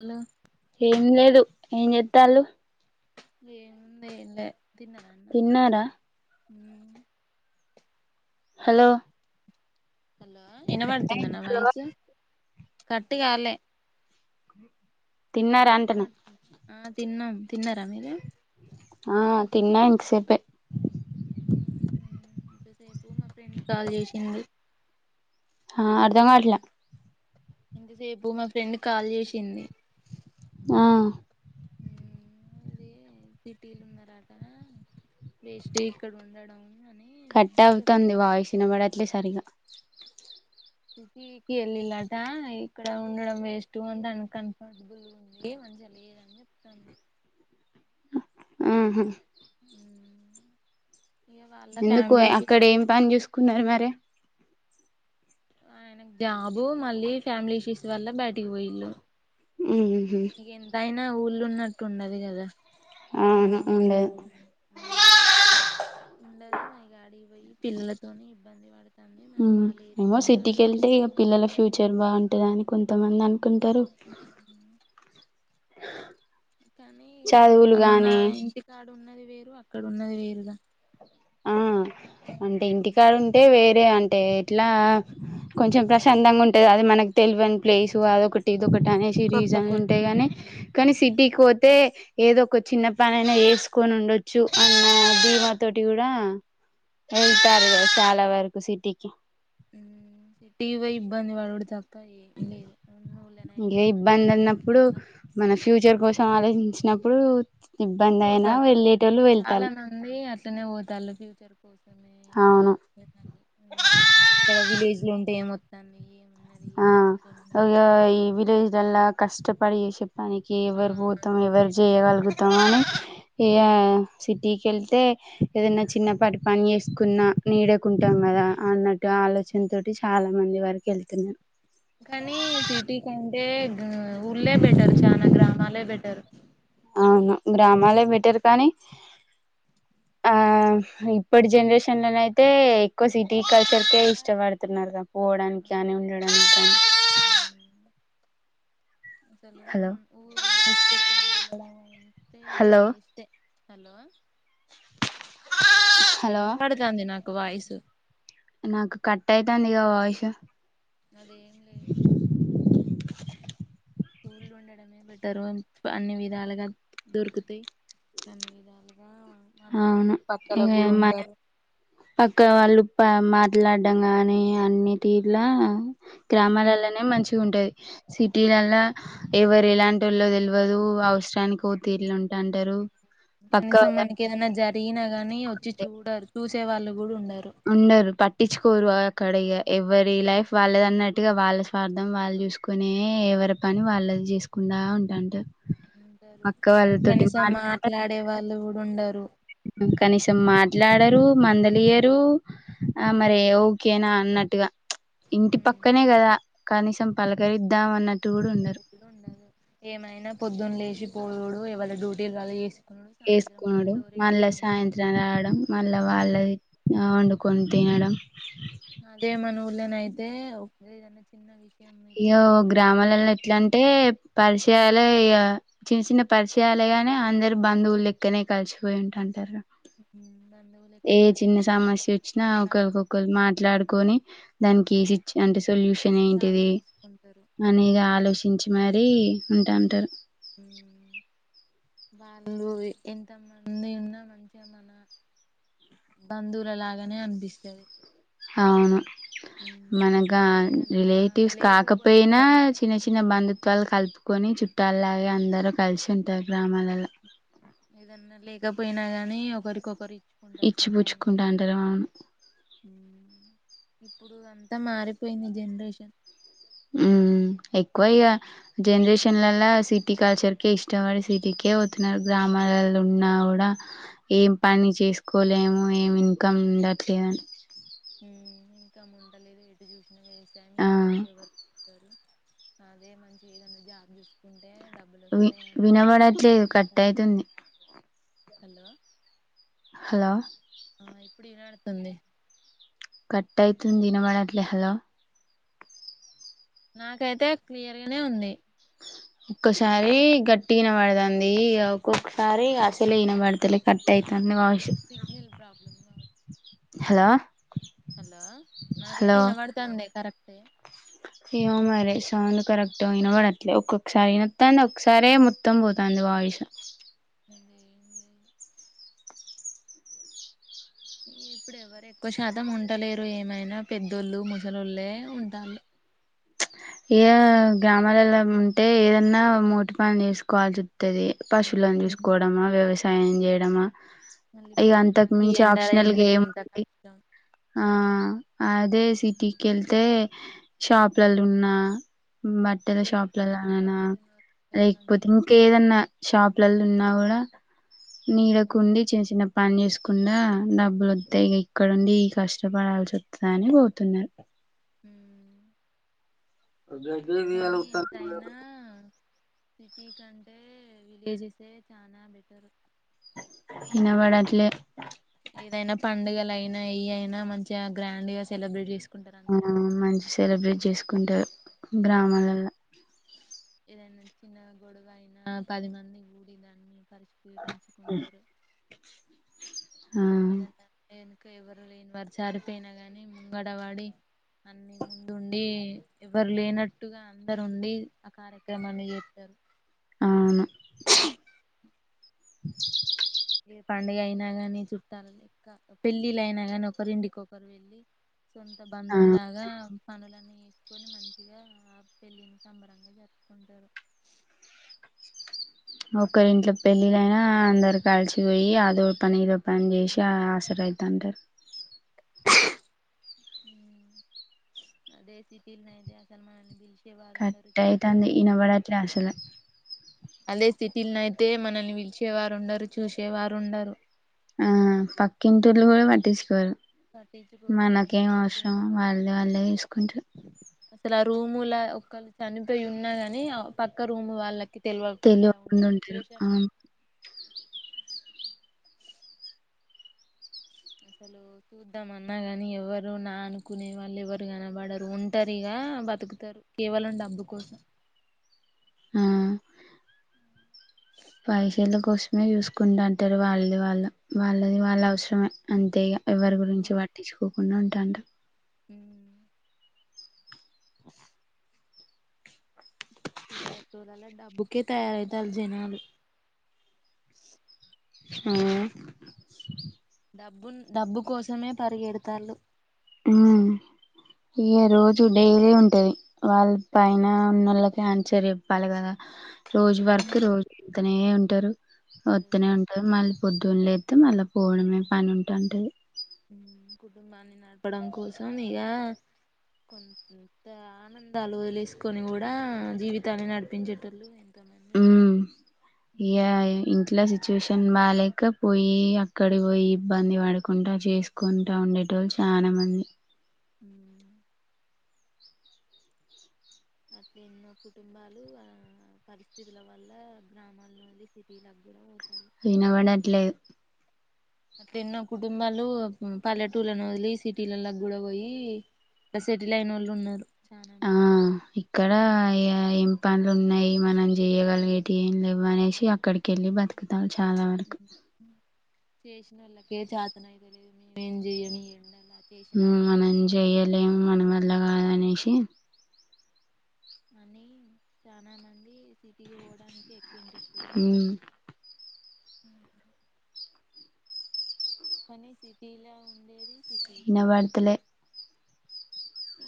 Hello ఏం లేదు ఏం జేత్తళ్ళు ఏముంది ఎంలే తిన తిన్నారా ఊమ్ హలో హలో ఇనబడుతుంద నా వాయిసు కట్టు గాలే తిన్నారా అంటున్నా ఆ తిన్నాం తిన్నరా మీరు ఆ తిన్న ఇంతసేపే ఇంతసేపు మా ఫ్రెండ్ కాల్ జేషింది ఆ అర్ధం గవట్లా ఇంతసేపు మా ఫ్రెండ్ కాల్ జేసింది ఆ ఊమ్ సిటీల్లున్నరాట వేస్టే ఇక్కడుండడం కట్ అవుతుంది వాయిస్ ఇనబడట్లే సరిగా సిటీకి ఏళ్లిళ్ళలట ఇక్కడ ఉండడం వేస్టు అంటను కనప గుబులు గుంది మంచిగా లేదని జెప్తంది ఆహ ఊమ్ ఎందుకు అక్కడ ఏం పని జేసుకున్నరు మరి ఆయనకు జాబు మళ్ళీ ఫ్యామిలీ ఇష్యూస్ వల్ల బయటకి ఒయిల్లు ఊమ్ ఇక ఎంతయినా ఊళ్ళు ఉన్నట్టు ఉండది గద అవును ఉండదు ఉండదు మై గాడి ఒయి పిల్లలతోని ఇబ్బంది వడ్ ఉమ్ ఏమో సిటీకెళ్తే పిల్లల ఫ్యూచర్ బావుంటదని కొంతమంది అన్ ఉ ఉమ్ కానీ చదువులు ఇగ మహా గాని ఇంటికాడ ఉన్నది వేరు అక్కడ ఉన్నది వేరుగా ఆ అంటే ఇంటికాడుంటే వేర్ రే అంటే ఎట్లా కొంచెం ప్రశాంతంగా ఉంటది అది మనకు తెలివన్ ప్లేస్ అదొకటి ఇదొకటనేసి కొత్త రీజన్లు కొత్త ఉంటయి గనీ కానీ సిటీకి వో తే ఏదో ఒక చిన్న పనైనా యేసుకొని ఉండొచ్చు అన్న దీమాతోటి టూడ వెళ్తారు గద చాలా వరకు సిటీకి ఊమ్ సిటీకి ఓయి ఇబ్బంది వడుడు తప్ ప్ప ఏం లేదు వున్నులేనైనా ఏ మంచిగా ఇబ్బంది అన్నప్పుడు ప్రశాంతంగా ఉండొచ్చు అప్పుడు పోతళ్లు చాలా మంది అట్లనే ఒతళ్లు ఫ్యూచర్ కు కోసమే అవును ఉమ్ ఇగ ఇక్కడ విలేజ్ లో ఉంటే ఏమొత్తంది ఏం ఆ చేసుకొని ఇగ బతుకుతాం ఈ విలేజ్లా వున్నా కష్టపడి ఏశే పనికి ఆ ఎవర బొతం, ఎవరు ఏది చూసినా జేయగలుగుతాం ఆని. వ్యవసాయం ఎ ఆ, సిటీకెళ్తే? ఏదన్నా చిన్నపాటి పని ఎసుకున్నా, నీడకుంటాం గదా. అన్నట్టు, ఆలోచన తోటి చాలా మంది వరకి ఎల్తున్నారు. కానీ, సిటీ కంటే! హ్మ్మ్, ఊర్లే బెటర్. చానా గ్రామాలే బెటర్. అవును గ్రామాలే బెటర్! కానీ. ఆ, ఇప్పడ జనరేషనల్ అయితే. ఎక్కు సిటీ సిటీకే కల్చర్కే ఎక్కువ ఇష్టపడుతున్నారుగా? పోవడానికి అని ఉండడానికి గాని. అసలు ఉన్న ఊరుని విడిచిపెట్టి వెళ్దాం అంటే, ఇగ హలో వేస్ట్ ఏ. హాల్లో. హలో వినబడుతునది, నాకు వయిసు. నాకు, కట్ అయితంది గా వాయసు. నదేం లేదు. ఊర్లో ఉండడమే బట్టరు, అన్ని విధాలుగా దొరుకుతాయి. అన్ని విధాలుగా మన, మనకు చుట్టూ పక్కల గుడా ఉంటారు. పక్క వాళ్ల పా, మాట్లాడ్డం గాని అన్నిటి లా. గ్రామాలలోనే మంచి ఉంటాది సిటీలాల్. లా. ఎవరు ఎలాంట వోళ్లో తెలివదు, ఉ అవసరానికి ఓ తీరులో ఉంట. ఇటా అంటారు పక్కా [unintelligible] దీన్ని గానీ వచ్చి చూడరు. చూసేవాళ్లు గూడ ఉండరు. ఉండరు, పట్టించుకోరు. ఆ, అక్కడ ఇగ. ఎవరి లైఫ్ వాళ్లది అన్నట్టుగా, వాళ్ల స్వార్థం వాళ్లు చూసుకునే, ఎవరి పని వాళ్లు చేసుకుంట. లావు, ఉంటంటూ. ఉంటారు. కనీసం మాట్లాడ మాట్లాడే, వాళ్లు గూడ ఉండరు. కనీసం, మాట్లాడరు మందలి. టూ. ఆ, మరి ఓకేనా అన్నట్టుగా. ఇంటి పక్కనే గదా, కనీసం పలకరిద్దాం అన్నట్. నేను ఎక్కడ ఉండాలో, ఏమైనా పొద్దున్న లేశి పోవుడు ఎవళ డ్యూటీ ఎళ్లాలి ఏసు. వేసుకున్నాడు, మళ్ల సాయంత్రం రావడం. మళ్ల రూముల్నే వాళ్ల. [unintelligible] వండుకొని తినడం. తె ఒక, ఏదన్నా చిన్న విషయం. యో, ఇబ్బంది అయినా కానీ గ్రామాల్లల బాధ ఎట్లా అంటే? పరిచయాలే ఇగ. చిన్న చిన్న పరిచయలుగానే, అందరు బంధువులులేకనే కలిసిపోయి ఉంటుంటారు. హ్మ్మ్. ఏ చిన్న సమస్య వచ్చినా ఒకరికొకరు మాట్లాడుకొని, దానికి కష్టం సిచ్చు. అంటే సొల్. సొల్యూషన్ సాల్వ్ ఏంటిది? చేసుకుంటారు మనీ గా ఆలోచించి మరి ఉంటాంటారు. హ్మ్మ్. వాళ్లు ఎంతమంది ఉన్నా, మంచిగా మన. బంధువుల్లాగానే అనిపిస్తది. అవును. ఉమ్, మనగా, ఏదన్నా రిలేటివ్స్ లేకపోయినా కాకపోయినా కానీ చిన్న చిన్న బంధుత్వాలు కలుపు. కొన్ని చుట్టాల్లాగే అందరూ కలిసి ఉంటార గ్రామాలల. ఇగ పోయినా గానీ, ఒకరి కొకరు. కుండలు ఇచ్చి సహాయం పుచ్చుకుంటా అంటారు చేసుకుంటారు, అవును హ్మ్మ్. ఇప్పుడు అంతా మారిపోయింది జనరేషన్. హ్మ్మ్, ఎక్కువ ఇగ ఉమ్, జనరేషన్ లాల. లా సిటీ కల్చర్కే, ఇష్టపడి సిటీకే పోతున్నారు. గ్రామాలలో ఉన్నా గూడా ఏం. పని చేసుకోలేము, ఏమి ఇన్కమ్ ఉండట్లేదని. ఉన్నా ఏసేమీ. ఆ ఎందుకీ? ఎవరి [unintelligible] కొకరు. అదే మంచి ఏదన్న జాబ్ జూసుకుంటే. వి వినబడట్లేదు? కట్ పోతారు. అయితుంది. హలో హలో ఆ ఇప్పుడు ఇనబడుతుంది కట్టయితుంది ఇనబడట్లే హలో నాకైతే క్లియర్గనే ఉంది ఒక్కసారి గట్టి ఇనబడుతుంది ఒక్కొక్కసారి అసలే ఇనబడ్తలే సిగ్నల్ ప్రాబ్లమ్ హెలో హలో నాకైతె వినబడతాందె కరెక్ట్ ఏమో మరిే సౌండ్ కరెక్ట్ వినబడట్లే ఒక్కొక్కసారి వినత్తడి ఒకసారిే మొత్తం పోతాంది వాయిస్ అది ఏం లేదు ఇప్పుడు ఎవ్వరు ఎక్కువ శాతం ఉండలేరు ఏమైనా పెద్దోళ్ళు ముసలోళ్ళే ఉంటారు ఏ గ్రామాలలో ఉంటే ఏదన్నా మోటి పని చేసుకోవల్ిసి ఉంటది పశువులను ఉమ్ చూసుకోవడమా వ్యవసాయం చేయడమా మళ్ళీ ఇగ అంతకు పొద్దున్నాక ఈ మించి ఎండల ఆప్షనల్గ ఎందుకు ఇంత ఏముంది కష్టం అదే సిటీకి వెళ్తే షాప్లలో ఉన్నా బట్టల దేనికున్నా షాప్లోనైనా డబ్బులున్నోళ్లకి వస్తాయి లేకపోతే మంచిగా ఇంక ఏదన్నా షాప్ పిల్లలు ఉన్నా కూడా ఉమ్ నీడకుండి చిన్న చిన్న పని చేేసుకుండా డబ్బులు వస్తాయి ఇక ఇక్కడండి ఈ కష్టపడాల్సి వస్తుందని పోతున్నారు హ కానీ ఎంతయినా సిటీ కంటే విలేజెసే చానా బెటర్ వినబడట్లే ఇన ఈ అయినా మంచిగా గ్రాండ్ గా సెలబ్రేట్ చేసుకు ఆ మంచి సెలబ్రేట్ చేసుకుంటారు గ్రామాలల్లో ఏదైనా చిన్న గొడవ అయినా పది మంది ఉండి దాన్ని కలిసి పంచుకుంటారు ఆ ఏదన్న వెనుక ఎవ్వరు లేని వారు చనిపోయినా గాని ముంగడవాడి అన్నిీ ముందుండి ఎవరు లేనట్టుగా అందరు ఉండి ఆ కార్యక్రమాన్ని చేస్తారు ఆవును ఏ పండగయిన్ ని చుట్టాలుక్క పెళ్ళిళయినా గాని ఒకరి ఇంటికిొకరు వెళ్ళి సొంత ఆ బందువులాగ పనులలను వేసుకొని మంచిగా ఆ పెళ్లిిని సంబరంగా జరుపుకుంటారు ఒకరి ఇంట్లో పెళ్ళిలైనా అందరు కలిసిపోయి అదో పని ఇ ర పని ఉమ్ చేసిన ఆసర అయి తాంటె అదే సిటీల్నో అయితే అసలు మనల్ని పిలిచి కట్ అయితాంది ఇనబడట్లె అసలు అదే సిటీనయితే మనల్ని పిలిచేవారు ఉండరు చూసేవారు ఉండరు ఆ పక్కింటోల్లు కూడ పట్టించుకోరు పట్టించుకోరు అసలు మనకేం ఏ అవసరం చిన్న వాళ్ళది వాళ్ళే చూసుకుంటారు అసలా రూముల ఒకరు చనిపోయి ఉన్నా గాని పక్క రూము వాళ్ళకి తెలివకుడా ఉండే తెలియకుండా ఉంటారు ఆ సిచ్యువేషన్లు వస్ అసలు చూద్దాం అన్నా గాని ఎవరు నా అనుకునే వాళ్ళు ఎవరు కనబడరు ఉంటారు ఇక బతుకుతారు కేవలం డబ్బు కోసం య్ పైసల్ద కో మే చూసుకుంట అంటారు వాళ్ళది వాళ్ళు వాళ్ళది వాళ్ళ అవసరమే అంతేగా ఎవరి గురించి పట్టించుకోకుండ ఉంటాంటె ఉ [unintelligible] డబ్బుకే తయారవుతారు జనాలు ఉమ్ డబ్బు డబ్బు కోసమే పరిగెడతాళ్ళు ఆ ఇగ రోజు డైలీ ఉంటది వాళ్ళ పైన ఉన్నోళ్ళకి ఆన్సర్ చెప్పాలి గదా రోజు వర్క్ రోజు వెళ్తనే ఉంటారు. ఒత్తనే ఉంటరు మళ్ళీ పొద్దున్న లేత్తే మళ్ళ పోవడమే పని ఉంటాంటది. కుటుంబాన్ని నడపడం కోసం ఇగ కొంత ఆనందాలు వదిలేసుకొని కూడా జీవితాన్ని నడిపించేటోళ్ళు ఎంతోమంది ఉన్నారు ఉమ్ ఇగ ఇంట్ల సిచ్యువేషన్ బాలేక పోయి అక్కడి పోయి ఇబ్బంది పడుకుంటా చేసుకుంటా ఉండేటోళ్ళు చా నామంది అట్లా ఎన్నో కుటుంబాలు ఆ పరిస్థితుల వల్ల గ్రామాల నుండి సిటీలకు కూడా పోత వినపడట్లేదు అట్లా ఎన్నో కుటుంబాలు పల్లెటూళ్లను వదిలి సిటీలల్ల గూడా బోయి సెటీల్ అయినోళ్ళు ఉన్నరు ఆ ఇక్కడ ఏం పనులు ఉన్నాయి మనం జేయగలిగేటివి ఏం లేవు అనేసి అక్కడికి యెళ్ళి బతుకుతాం చాలా వరకు చేసినోళ్ళకే చేతనైత లేదు మేం ఏం జేయ్యం ఈ ఎండక ఉమ్ మనం జేయ్యలేం మనవల్ల గాదనేసి అని చానా మంది సిటీకి పోవడానికే ఎక్కువ ఇంట్రెస్ట్ పెడతారు ఉమ్, కాని సిటీలా ఉండేది సిటీకే ఇనబడ్తలే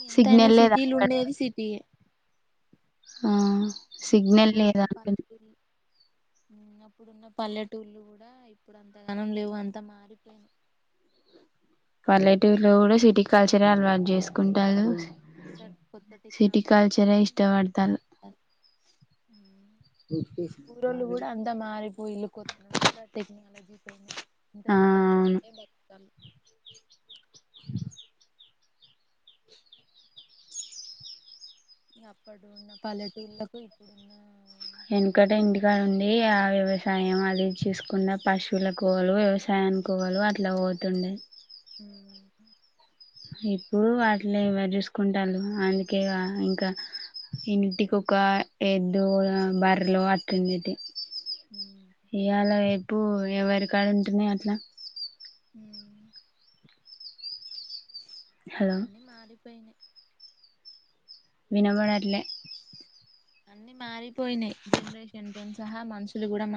ఎంతయినా సిటీల అక్కడ ఉండేది సిటీయే ఆ సిగ్నల్ అప్పుడున్న లేదనుకుం పల్లెటూళ్లు అప్పుడున్న పల్లెటూళ్ళు గూడా ఇప్పుడు అంతగానం లేవు అంత మారిపోయినయ్ పల్లెటూరులో గూడా సిటీ కల్చరే అలవాటు జెస్ అంత కొత్త సిటీ కల్చరే టెక్నాలజీతోనే ఇష్టపడతారు ఉమ్. [unintelligible] ఊరోళ్ళు గూడా అంతా మారిపోయిల్లు కొత్త అంతా టెక్నాలజీ అంతా ఆ సిటీ అవును మాదినే బతకతాళ్ళు అప్పుడున్న పల్లెటూళ్లకు ఇప్పుడున్న యెనకట పల్లెటూళ్ళకు ఇంటికాడ అంత ఉండి ఆ వ్యవసాయం అది చూసుకున్న పశువుల కోవలు వ్యవసాయాని కోవలు అట్లా పోతుండే ఉమ్ ఇప్పుడు అట్ల ఎవరు జూసుకుంటారు అందుకే ఇగ ఇంకా ఇంటికి ఒక ఎద్దు బర్లో అట్లుండేటియ్ ఉమ్. ఈయాల రేపు ఎవరి కాడ ఉంటున్నాయి అట్లా ఉమ్ హలో అవన్నీ మారిపోయినాయి. వినబడట్లే అన్ని మారిపోయినాయి జనరేషన్తో సహా మనుషులు గూడా మ